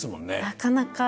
なかなか。